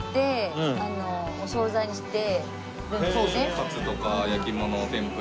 カツとか焼き物天ぷら。